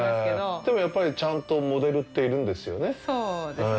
でも、やっぱりちゃんとモデルっているんですよね？